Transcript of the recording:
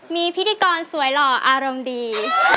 มีพิธีกรสวยหล่ออารมณ์ดี